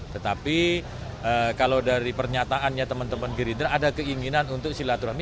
tetapi kalau dari pernyataannya teman teman gerindra ada keinginan untuk silaturahmi